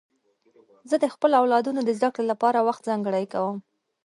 زه د خپلو اولادونو د زدهکړې لپاره وخت ځانګړی کوم.